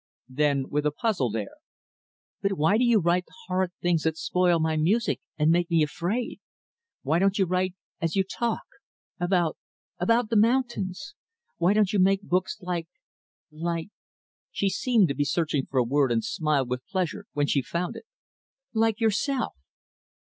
Then, with a puzzled air "But why do you write the horrid things that spoil my music and make me afraid? Why don't you write as you talk about about the mountains? Why don't you make books like like" she seemed to be searching for a word, and smiled with pleasure when she found it "like yourself?"